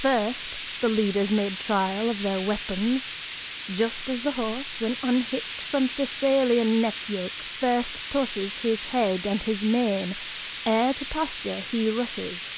First the leaders made trial of their weapons Just as the horse, when unhitched from Thessalian neck yoke, First tosses his head and his mane, ere to pasture he rushes.